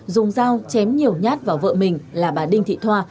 dùng dao chém nhiều nhát vào vợ mình là bà đinh thị thoa